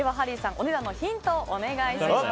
お値段のヒントをお願いします。